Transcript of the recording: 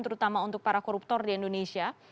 terutama untuk para koruptor di indonesia